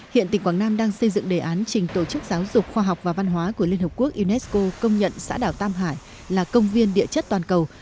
hiện tỉnh quảng nam đang xây dựng đề án trình tổ chức giáo dục khoa học và văn hóa của liên hợp quốc unesco công nhận xã đảo tam hải là công viên địa chất toàn cầu